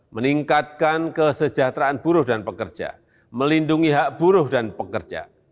meningkatkan kesejahteraan buruh dan pekerja melindungi hak buruh dan pekerja